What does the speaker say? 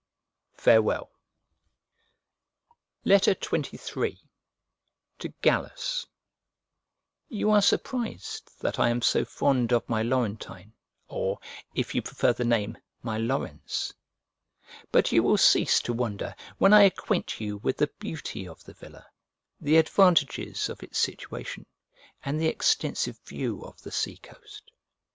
Farewell. XXIII To GALLUS You are surprised that I am so fond of my Laurentine, or (if you prefer the name) my Laurens: but you will cease to wonder when I acquaint you with the beauty of the villa, the advantages of its situation, and the extensive view of the sea coast.